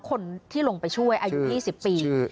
คนที่ลงไปช่วยอายุ๒๐ปี